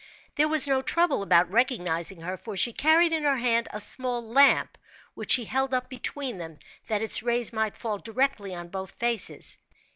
There was no trouble about recognising her, for she carried in her hand a small lamp, which she held up between them, that its rays might fall directly on both faces.